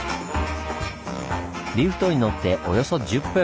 リフトに乗っておよそ１０分。